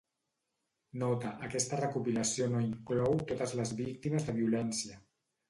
"Nota: aquesta recopilació no inclou totes les víctimes de violència.